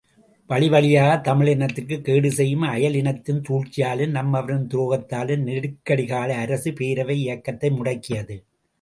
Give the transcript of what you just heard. வழிவழியாகத் தமிழினத்திற்கு கேடுசெய்யும் அயலினத்தின் சூழ்ச்சியாலும் நம்மவரின் துரோகத்தாலும் நெருக்கடிகால அரசு பேரவை இயக்கத்தை முடக்கியது.